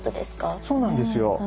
そうなんですよ。